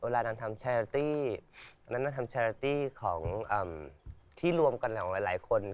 นั่นน่าทำแชรตี้ของที่รวมกันแรงออกมาหลายคน